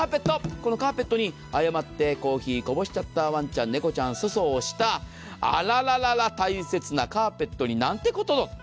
このカーペットに誤ってコーヒーこぼしちゃった、ワンちゃん、猫ちゃん、そそうをした、あらあら大切なカーペットに何てことを。